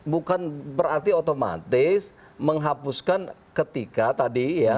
bukan berarti otomatis menghapuskan ketika tadi ya